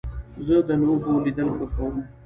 زه د لوبو لیدل خوښوم.